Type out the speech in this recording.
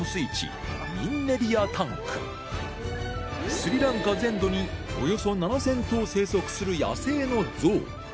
スリランカ全土におよそ７０００頭生息する野生のゾウ